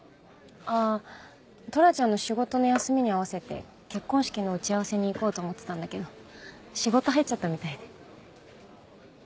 ああトラちゃんの仕事の休みに合わせて結婚式の打ち合わせに行こうと思ってたんだけど仕事入っちゃったみたいで。